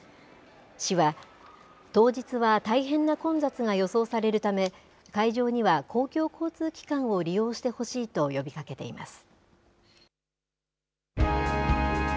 市は、当日は大変な混雑が予想されるため、会場には公共交通機関を利用してほしいと呼びかけています。